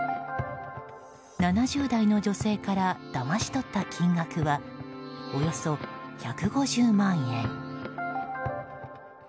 ７０代の女性からだまし取った金額はおよそ１５０万円。